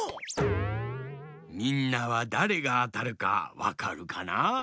みんなはだれがあたるかわかるかな？